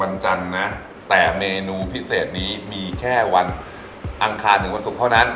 วันจันทร์นะแต่เมนูพิเศษนี้มีแค่วันอังคารถึงวันศุกร์เท่านั้น